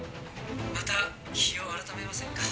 また日を改めませんか？